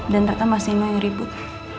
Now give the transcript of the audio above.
dan rata mas nino yang ribut